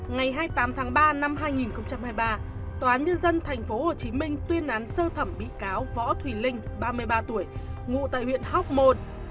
ngày hai mươi tám tháng ba năm hai nghìn hai mươi ba tòa án nhân dân tp hcm tuyên án sơ thẩm bị cáo võ thùy linh ba mươi ba tuổi ngụ tại huyện hóc môn